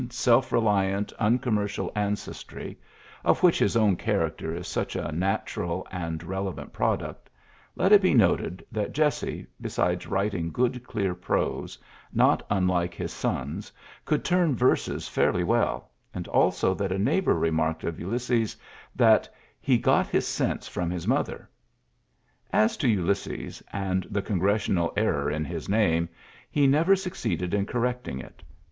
^^^ ULTSSES S. GEANT 9 ^F*^3ommercial ancestry, of which his own •* ^tracter is such a natoral and relevant P^^i^iict^ let it be noted that Jesse, be *^^^^ wilting good clear prose, not tin l^^'^ Ms son^s, could turn verses foirly V^Xlj and also that a neighbour remarked ^ isf "Clysses that he "got his sense from %^ mother." As to TJlysses and the ^TOf^ngressional error in his name, he never _ ^^iceeded in correcting it.